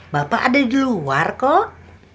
bapak ada di luar kok